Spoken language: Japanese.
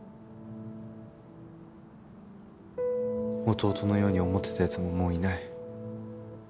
弟のように思ってたやつももういない。